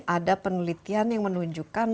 ada penelitian yang menunjukkan